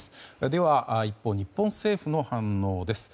では、一方日本政府の反応です。